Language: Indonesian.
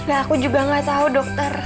aku juga gak tahu dokter